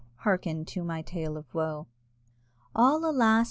Hearken to my tale of woe! All, alas!